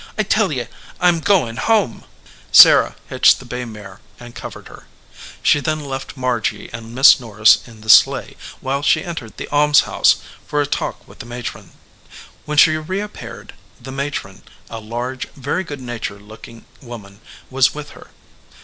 I tell ye I m goin home !" Sarah hitched the bay mare and covered her. 29 EDGEWATER PEOPLE She then left Margy and Miss Norris in the sleigh while she entered the almshouse for a talk with the matron. When she reappeared the matron, a large, very good natured looking woman, was with her.